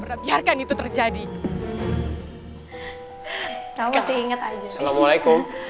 ayo silahkan duduk